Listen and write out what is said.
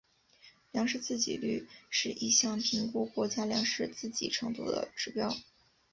粮食自给率是一项评估国家粮食自给程度的指标。